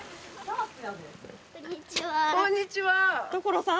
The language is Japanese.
こんにちは。